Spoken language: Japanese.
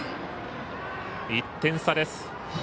１点差です。